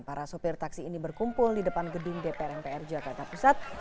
para sopir taksi ini berkumpul di depan gedung dpr mpr jakarta pusat